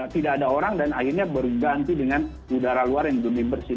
tidak ada orang dan akhirnya berganti dengan udara luar yang lebih bersih